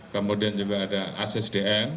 kemudian juga ada as sdn